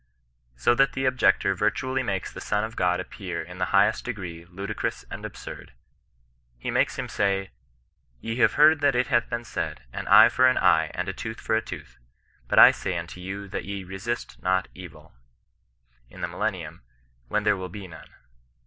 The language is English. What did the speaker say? So that the objector virtually makes the Son of Ood appear in the highest degree ludicrous and absurd. He makes him say, <' Ye have heard that it hath been said, An eye for an eye, and a tooth for a tooth ; but I say unto you that ye resist not evil," in the millennium, when there will be none.